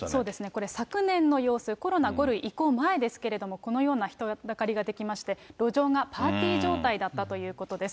これ昨年の様子、コロナ５類移行前ですけれども、このような人だかりが出来まして、路上がパーティー状態だったということです。